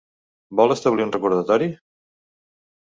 Vol establir un recordatori?